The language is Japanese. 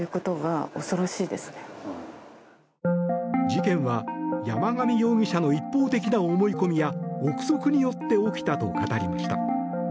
事件は山上容疑者の一方的な思い込みや臆測によって起きたと語りました。